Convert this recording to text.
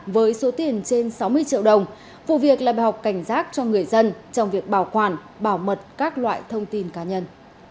với số tiền trên sáu mươi triệu đồng vụ việc là bài học cảnh giác cho người dân trong việc bảo quản bảo mật các loại thông tin cá nhân